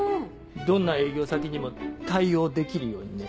どんな営業先にも対応できるようにね。